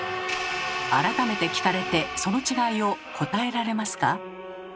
改めて聞かれてその違いを答えられますか？